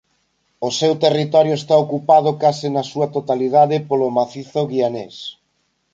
O seu territorio está ocupado case na súa totalidade polo macizo güianés.